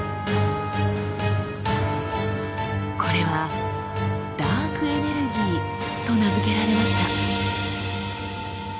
これは「ダークエネルギー」と名付けられました。